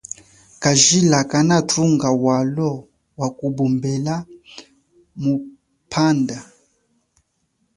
Kajila kanathunga walo waku pombela muphanda.